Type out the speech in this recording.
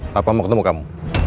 papa mau ketemu kamu